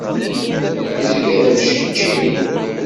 Yezga d amceččew.